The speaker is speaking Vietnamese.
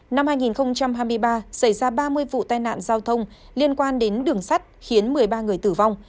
năm hai nghìn hai mươi ba xảy ra ba mươi vụ tai nạn giao thông liên quan đến đường sắt khiến một mươi ba người tử vong